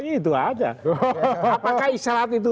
itu aja apakah isyarat itu